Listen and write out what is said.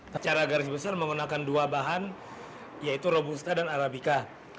secara garis besar menggunakan dua bahan yaitu robusta dan arabica